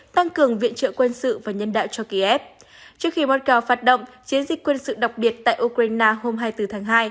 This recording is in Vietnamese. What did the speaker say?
trước khi moscow phát động chiến dịch quân sự đặc biệt tại ukraine hôm hai mươi bốn tháng hai